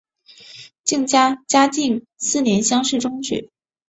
嘉靖四年乡试中举。